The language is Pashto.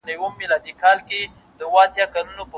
له بري څخه بري ته پاڅېدلی